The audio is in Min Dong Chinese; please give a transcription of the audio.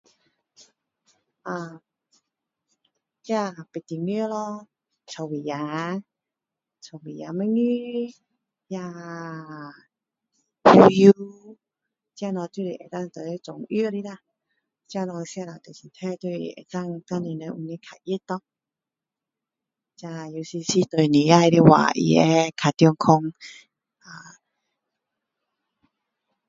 啊那八珍汤咯臭积茶臭积茶墨鱼那胡椒这东西就是能够装药的啦这东西吃了对身体这都是它可以跟你们身体会较热咯这尤其是对女孩的话它会较健康啊